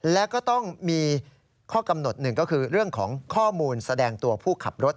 และก็ต้องมีข้อกำหนดหนึ่งก็คือเรื่องของข้อมูลแสดงตัวผู้ขับรถ